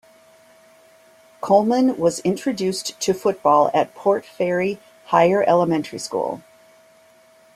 Coleman was introduced to football at Port Fairy Higher Elementary School.